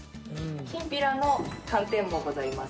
きんぴらの寒天もございます。